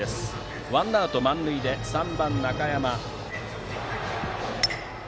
ワンアウト満塁で３番、中山。